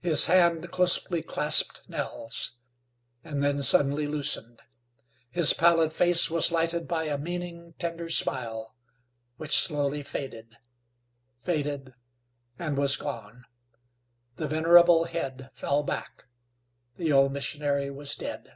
His hand closely clasped Nell's, and then suddenly loosened. His pallid face was lighted by a meaning, tender smile which slowly faded faded, and was gone. The venerable head fell back. The old missionary was dead.